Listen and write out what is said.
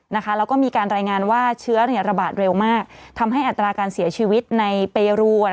แล้วก็มีการรายงานว่าเชื้อระบาดเร็วมากทำให้อัตราการเสียชีวิตในเปรู